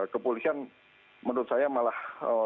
kepolisian menurut saya malah